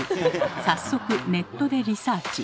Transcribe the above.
早速ネットでリサーチ。